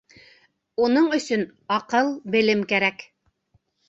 Уның өсөн аҡыл, белем кәрәк.